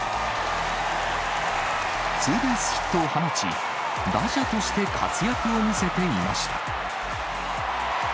ツーベースヒットを放ち、打者として活躍を見せていました。